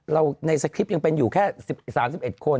ในสคริปต์ยังเป็นอยู่แค่๓๑คน